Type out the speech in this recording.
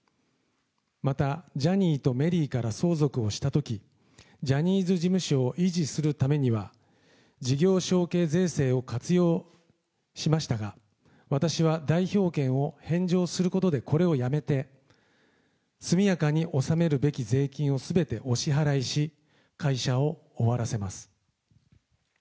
またジャニーとメリーから相続をしたとき、ジャニーズ事務所を維持するためには、事業承継税制を活用しましたが、私は代表権を返上することでこれをやめて、速やかに納めるべき税金をすべてお支払いし、会社を終わらせます。